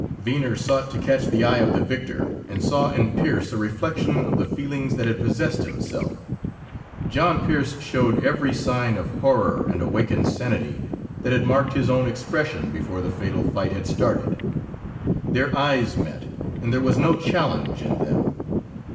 Venner sought to catch the eye of the victor, and saw in Pearse a reflection of the feelings that had possessed himself. John Pearse showed every sign of horror and awakened sanity that had marked his own expression before the fatal fight had started. Their eyes met, and there was no challenge in them.